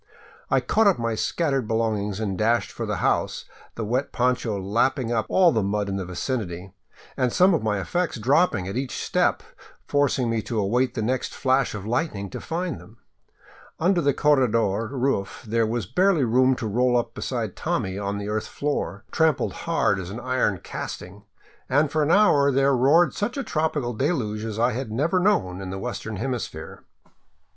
I caught up my scattered belongings and dashed for the house, the wet poncho lap ping up all the mud in the vicinity, and some of my effects dropping at each step, forcing me to await the next flash of lightning to find them. Under the corredor roof there was barely room to roll up beside Tommy on the earth floor, trampled hard as an iron casting, and for an hour there roared such a tropical deluge as I had never known in the western hemisphere.